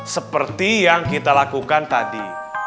seperti yang kita lakukan tadi